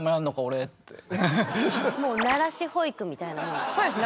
もう慣らし保育みたいなもんですね。